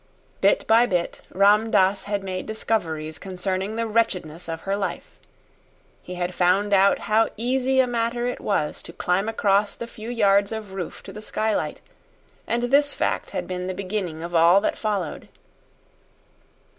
Bit by bit, Ram Dass had made discoveries concerning the wretchedness of her life. He had found out how easy a matter it was to climb across the few yards of roof to the skylight, and this fact had been the beginning of all that followed.